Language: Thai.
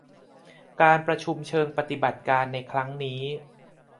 การประชุมเชิงปฏิบัติการในครั้งนี้